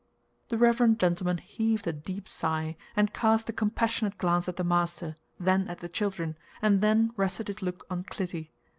The reverend gentleman heaved a deep sigh, and cast a compassionate glance at the master, then at the children, and then rested his look on Clytie.